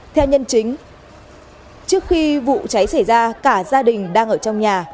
theo nhân chính trước khi vụ cháy xảy ra cả gia đình đang ở trong nhà